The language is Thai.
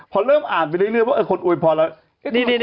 พอเริ่มอ่านไปเรื่อยว่าคนอวยพรแล้ว